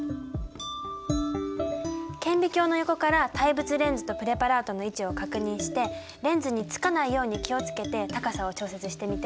顕微鏡の横から対物レンズとプレパラートの位置を確認してレンズにつかないように気を付けて高さを調節してみて。